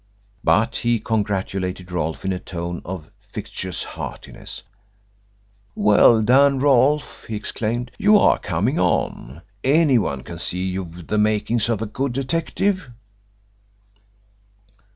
But he congratulated Rolfe in a tone of fictitious heartiness. "Well done, Rolfe!" he exclaimed. "You are coming on. Anyone can see that you've the makings of a good detective."